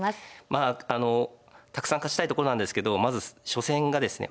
まああのたくさん勝ちたいとこなんですけどまず初戦がですね